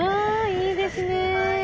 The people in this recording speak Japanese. いいですね。